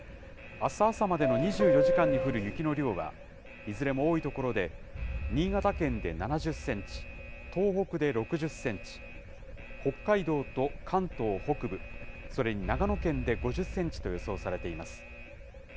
あす朝までの２４時間に降る雪の量はいずれも多い所で、新潟県で７０センチ、東北で６０センチ、北海道と関東北部、それに長野県で５０センチと予想されています。